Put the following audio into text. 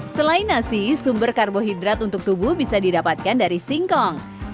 selain nasi sumber karbohidrat untuk tubuh bisa didapatkan dari singkong